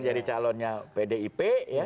jadi calonnya pdip